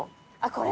これ。